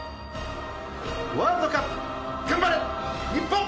ワールドカップ、頑張れ日本！